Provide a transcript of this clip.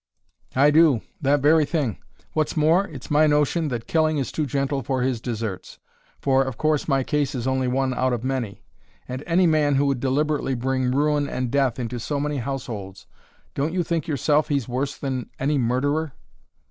"I do, that very thing. What's more, it's my notion that killing is too gentle for his deserts. For, of course, my case is only one out of many. And any man who would deliberately bring ruin and death into so many households don't you think yourself he's worse than any murderer?"